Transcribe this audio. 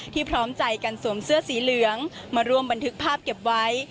พร้อมใจกันสวมเสื้อสีเหลืองมาร่วมบันทึกภาพเก็บไว้